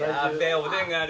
おでんがある